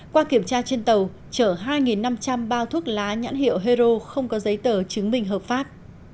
qua kiểm tra trên tàu chở hai năm trăm linh bao thuốc lá nhãn hiệu hero không có giấy tờ chứng minh hợp pháp